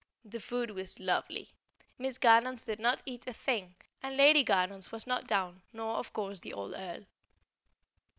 The food was lovely. Miss Garnons did not eat a thing, and Lady Garnons was not down nor, of course, the old Earl.